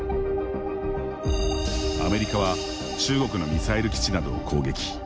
アメリカは中国のミサイル基地などを攻撃。